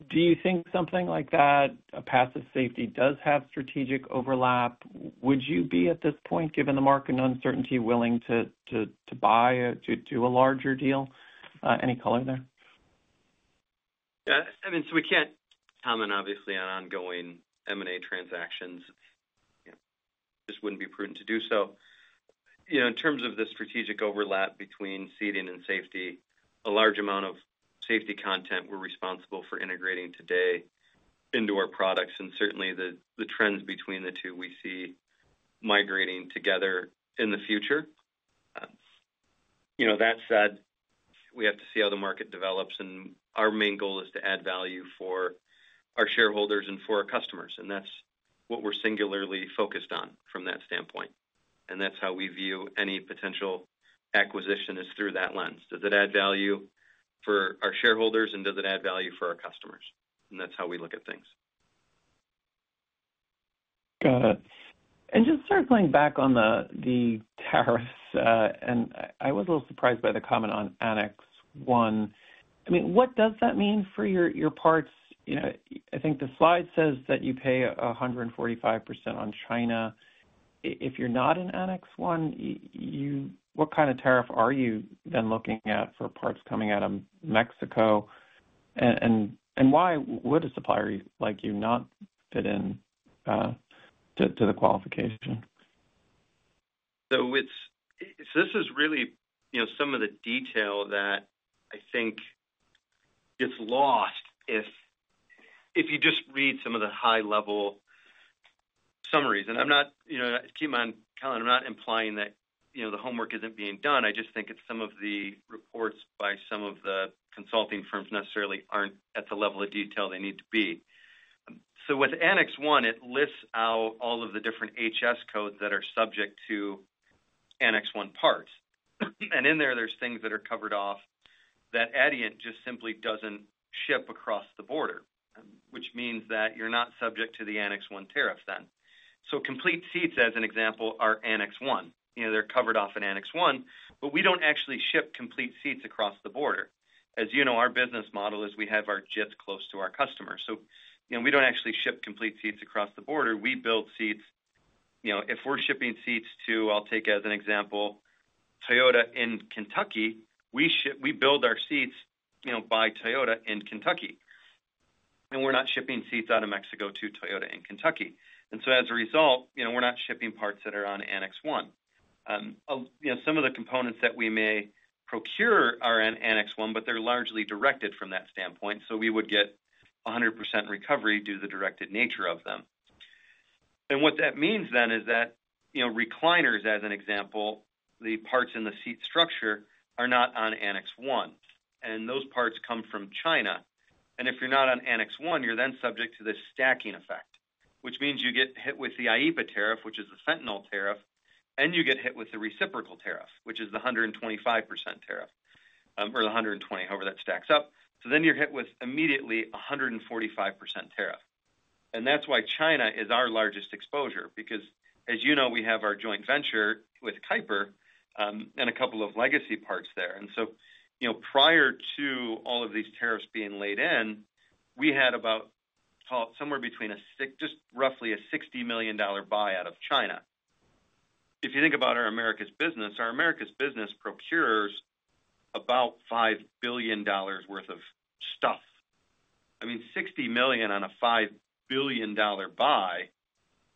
do you think something like that, a passive safety, does have strategic overlap? Would you be at this point, given the market uncertainty, willing to buy or to do a larger deal? Any color there? Yeah. I mean, we can't comment obviously on ongoing M&A transactions. It just wouldn't be prudent to do so. In terms of the strategic overlap between seating and safety, a large amount of safety content we're responsible for integrating today into our products. Certainly, the trends between the two we see migrating together in the future. That said, we have to see how the market develops. Our main goal is to add value for our shareholders and for our customers. That's what we're singularly focused on from that standpoint. That's how we view any potential acquisition, is through that lens. Does it add value for our shareholders, and does it add value for our customers? That's how we look at things. Got it. Just circling back on the tariffs, I was a little surprised by the comment on Annex 1. I mean, what does that mean for your parts? I think the slide says that you pay 145% on China. If you're not in Annex 1, what kind of tariff are you then looking at for parts coming out of Mexico? And why would a supplier like you not fit into the qualification? This is really some of the detail that I think gets lost if you just read some of the high-level summaries. I'm not—keep in mind, Colin, I'm not implying that the homework isn't being done. I just think it's some of the reports by some of the consulting firms necessarily aren't at the level of detail they need to be. With Annex 1, it lists out all of the different HS codes that are subject to Annex 1 parts. In there, there's things that are covered off that Adient just simply doesn't ship across the border, which means that you're not subject to the Annex 1 tariff then. Complete seats, as an example, are Annex 1. They're covered off in Annex 1, but we don't actually ship complete seats across the border. As you know, our business model is we have our JITs close to our customers. We don't actually ship complete seats across the border. We build seats. If we're shipping seats to, I'll take as an example, Toyota in Kentucky, we build our seats by Toyota in Kentucky. We're not shipping seats out of Mexico to Toyota in Kentucky. As a result, we're not shipping parts that are on Annex 1. Some of the components that we may procure are in Annex 1, but they're largely directed from that standpoint. We would get 100% recovery due to the directed nature of them. What that means then is that recliners, as an example, the parts in the seat structure are not on Annex 1. Those parts come from China. If you are not on Annex 1, you are then subject to the stacking effect, which means you get hit with the IEEPA tariff, which is the fentanyl tariff, and you get hit with the reciprocal tariff, which is the 125% tariff or the 120%, however that stacks up. You are hit with immediately a 145% tariff. That is why China is our largest exposure, because as you know, we have our joint venture with Kuiper and a couple of legacy parts there. Prior to all of these tariffs being laid in, we had about somewhere between just roughly a $60 million buyout of China. If you think about our Americas business, our Americas business procures about $5 billion worth of stuff. I mean, $60 million on a $5 billion buy,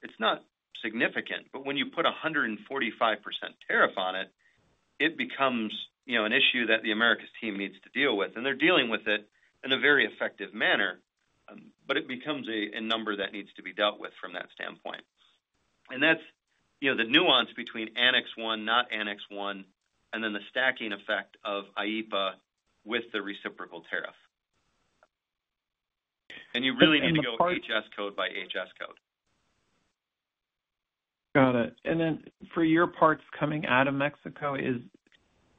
it's not significant. When you put a 145% tariff on it, it becomes an issue that the Americas team needs to deal with. They're dealing with it in a very effective manner, but it becomes a number that needs to be dealt with from that standpoint. That's the nuance between Annex 1, not Annex 1, and then the stacking effect of IEEPA with the reciprocal tariff. You really need to go HS code by HS code. Got it. For your parts coming out of Mexico,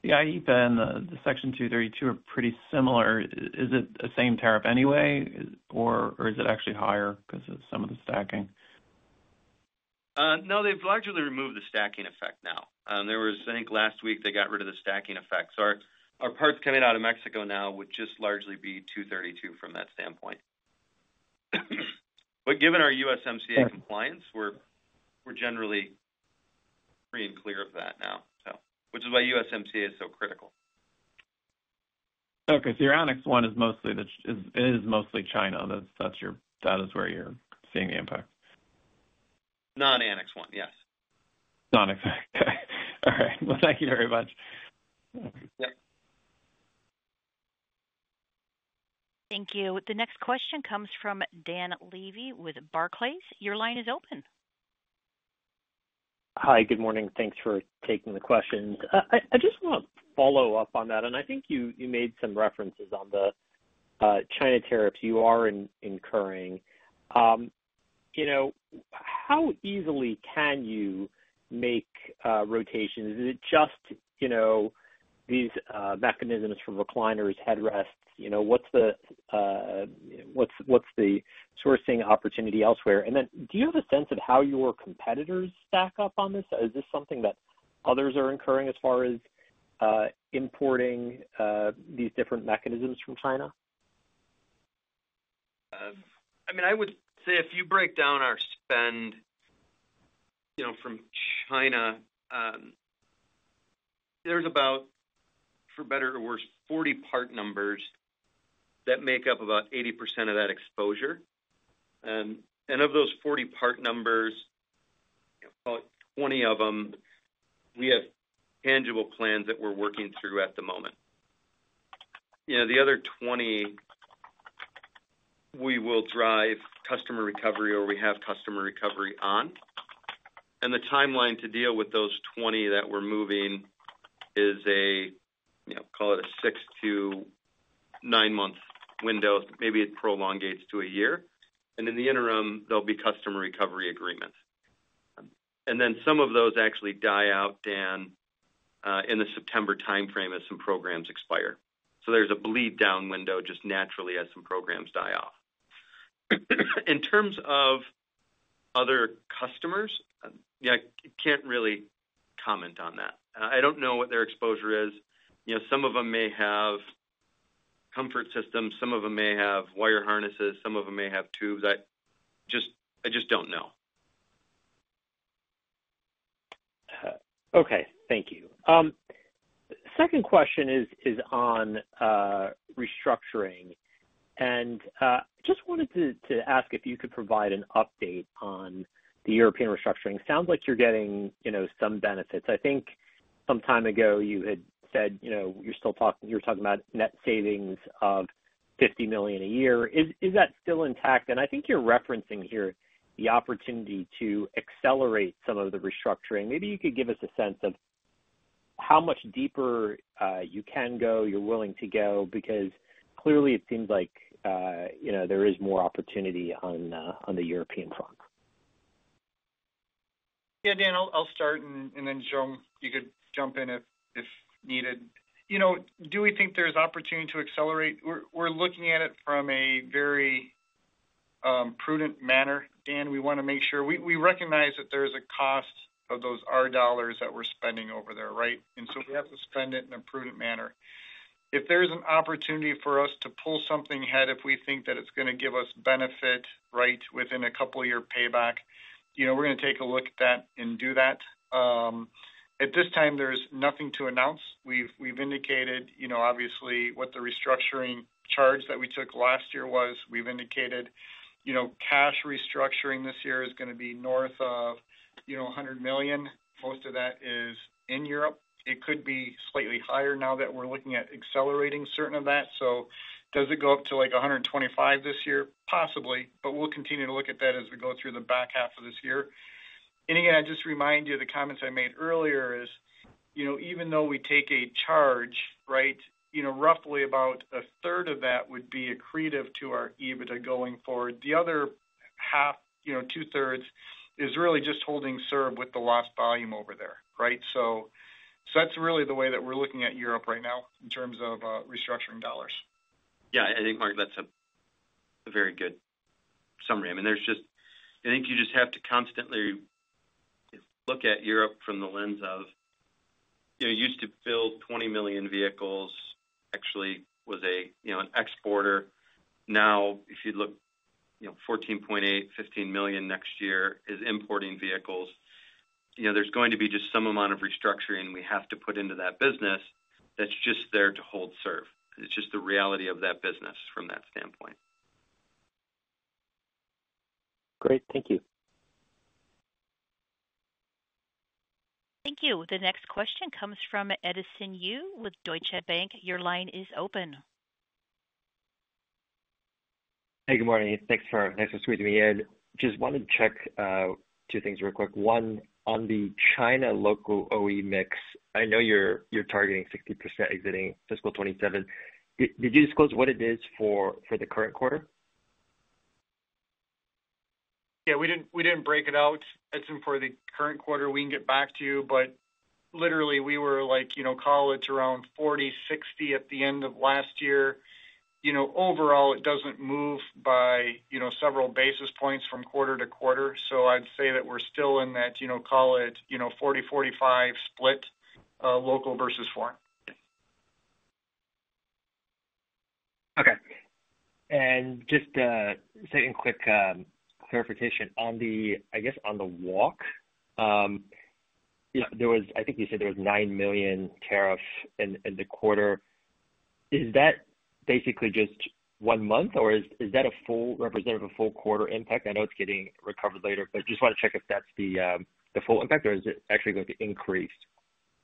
the IEEPA and the Section 232 are pretty similar. Is it the same tariff anyway, or is it actually higher because of some of the stacking? No, they've largely removed the stacking effect now. There was, I think, last week they got rid of the stacking effect. Our parts coming out of Mexico now would just largely be 232 from that standpoint. Given our USMCA compliance, we're generally free and clear of that now, which is why USMCA is so critical. Okay. Your Annex 1 is mostly China. That's where you're seeing the impact. Non-Annex 1, yes. Non-Annex. Okay. All right. Thank you very much. Thank you. The next question comes from Dan Levy with Barclays. Your line is open. Hi. Good morning. Thanks for taking the question. I just want to follow up on that. I think you made some references on the China tariffs you are incurring. How easily can you make rotations? Is it just these mechanisms for recliners, headrests? What's the sourcing opportunity elsewhere? Do you have a sense of how your competitors stack up on this? Is this something that others are incurring as far as importing these different mechanisms from China? I mean, I would say if you break down our spend from China, there is about, for better or worse, 40 part numbers that make up about 80% of that exposure. Of those 40 part numbers, call it 20 of them, we have tangible plans that we are working through at the moment. The other 20, we will drive customer recovery or we have customer recovery on. The timeline to deal with those 20 that we are moving is a, call it a six- to nine-month window. Maybe it prolongates to a year. In the interim, there will be customer recovery agreements. Some of those actually die out, Dan, in the September timeframe as some programs expire. There's a bleed-down window just naturally as some programs die off. In terms of other customers, I can't really comment on that. I don't know what their exposure is. Some of them may have comfort systems. Some of them may have wire harnesses. Some of them may have tubes. I just don't know. Okay. Thank you. Second question is on restructuring. I just wanted to ask if you could provide an update on the European restructuring. Sounds like you're getting some benefits. I think some time ago you had said you're talking about net savings of $50 million a year. Is that still intact? I think you're referencing here the opportunity to accelerate some of the restructuring. Maybe you could give us a sense of how much deeper you can go, you're willing to go, because clearly it seems like there is more opportunity on the European front. Yeah, Dan, I'll start. Then, Jerome, you could jump in if needed. Do we think there's opportunity to accelerate? We're looking at it from a very prudent manner, Dan. We want to make sure. We recognize that there is a cost of those R dollars that we're spending over there, right? We have to spend it in a prudent manner. If there's an opportunity for us to pull something ahead, if we think that it's going to give us benefit right within a couple-year payback, we're going to take a look at that and do that. At this time, there's nothing to announce. We've indicated, obviously, what the restructuring charge that we took last year was. We've indicated cash restructuring this year is going to be north of $100 million. Most of that is in Europe. It could be slightly higher now that we're looking at accelerating certain of that. Does it go up to like $125 million this year? Possibly. We'll continue to look at that as we go through the back half of this year. I just remind you of the comments I made earlier, even though we take a charge, right, roughly about a third of that would be accretive to our EBITDA going forward. The other1/2, 2/3s, is really just holding serve with the lost volume over there, right? That's really the way that we're looking at Europe right now in terms of restructuring dollars. Yeah. I think, Mark, that's a very good summary. I mean, I think you just have to constantly look at Europe from the lens of used to build 20 million vehicles, actually was an exporter. Now, if you look, 14.8, 15 million next year is importing vehicles. There's going to be just some amount of restructuring we have to put into that business that's just there to hold serve. It's just the reality of that business from that standpoint. Great. Thank you. Thank you. The next question comes from Edison Yu with Deutsche Bank. Your line is open. Hey, good morning. Thanks for squeezing me in. Just wanted to check two things real quick. One, on the China local OE mix, I know you're targeting 60% exiting fiscal 2027. Did you disclose what it is for the current quarter? Yeah. We didn't break it out. That's for the current quarter. We can get back to you. Literally, we were like, call it around 40, 60 at the end of last year. Overall, it does not move by several basis points from quarter-to-quarter. I would say that we are still in that, call it 40-45 split, local versus foreign. Okay. And just a second quick clarification on the, I guess, on the walk. I think you said there was $9 million tariff in the quarter. Is that basically just one month, or is that a full representative of a full quarter impact? I know it is getting recovered later, but I just want to check if that is the full impact, or is it actually going to increase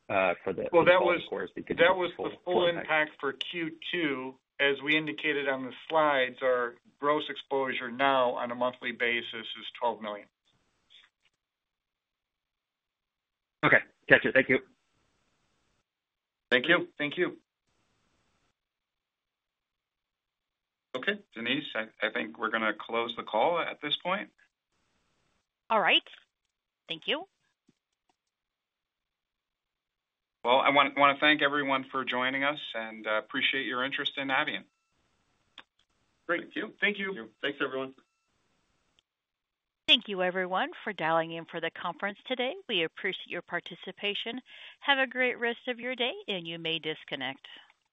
for the quarter? That was the full impact for Q2. As we indicated on the slides, our gross exposure now on a monthly basis is $12 million. Okay. Gotcha. Thank you. Thank you. Thank you. Okay. Denise, I think we're going to close the call at this point. All right. Thank you. I want to thank everyone for joining us and appreciate your interest in Adient. Great.Thank you. Thank you. Thanks, everyone. Thank you, everyone, for dialing in for the conference today. We appreciate your participation. Have a great rest of your day, and you may disconnect.